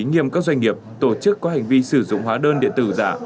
nghiêm các doanh nghiệp tổ chức có hành vi sử dụng hóa đơn điện tử giả